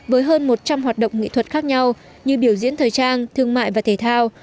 với hơn một trăm linh hoạt động nghị thuật khác nhau như biểu diễn thời trang thương mại và thể thao